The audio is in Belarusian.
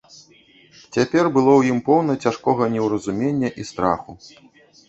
Цяпер было ў ім поўна цяжкога неўразумення і страху.